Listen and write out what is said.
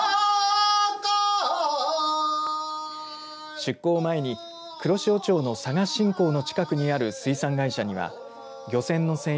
出航前に黒潮町の佐賀新港の近くにある水産会社には漁船の船員